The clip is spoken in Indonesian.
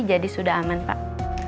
jadi sudah aman pak